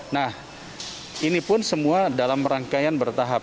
nah ini pun semua dalam rangkaian bertahap